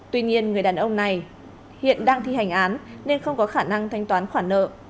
tuy nhiên người đàn ông này hiện đang thi hành án nên không có khả năng thanh toán khoản nợ